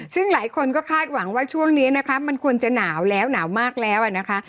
ซึ่งหลายคนก็คาดหวังว่าช่วงนี้นะคะมันควรจะหนาวแล้วหนาวมากแล้วนะคะ